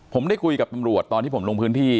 ผมได้คุยกับตำรวจตอนที่ผมลงพื้นที่